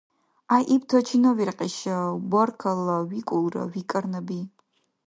— ГӀяйибта чина виркьиша, баркалла викӀулра, — викӀар Наби.